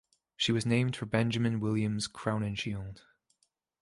She was named for Benjamin Williams Crowninshield.